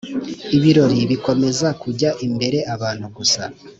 ibirori bikomeza kujya imbere abantu gusa